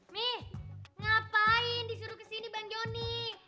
nih ngapain disuruh kesini bang joni